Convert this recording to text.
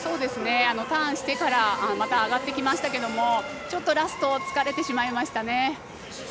ターンしてからまた、上がってきましたけどちょっとラスト疲れてしまいましたね。